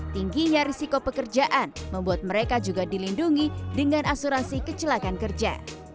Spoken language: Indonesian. tingginya risiko pekerjaan membuat mereka juga dilindungi dengan asuransi kecelakaan kerja